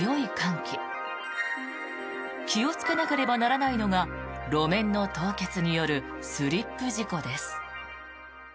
気をつけなければならないのが路面の凍結によるスリップ事故です。